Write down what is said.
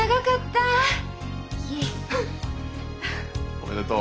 おめでとう。